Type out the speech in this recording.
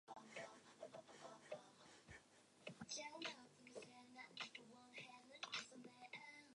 His leisure interests are golf, and political and current affairs.